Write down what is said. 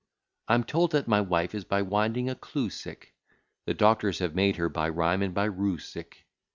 I'm told that my wife is by winding a clew sick; The doctors have made her by rhyme and by rue sick.